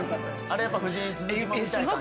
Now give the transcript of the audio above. あれやっぱ夫人続きも。